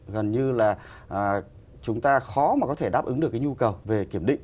gần như là chúng ta khó mà có thể đáp ứng được cái nhu cầu về kiểm định